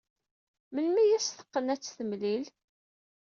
Melmi ay as-teqqen ad t-temlil?